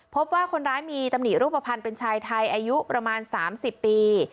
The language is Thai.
พบว่าคนร้ายมีตำหนิรูปภัณฑ์เป็นชายไทยอายุประมาณ๓๐ปี